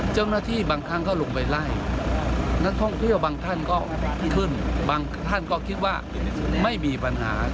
เจ้าหน้าที่บางครั้งก็ลงไปไล่นักท่องเที่ยวบางท่านก็ขึ้นบางท่านก็คิดว่าไม่มีปัญหา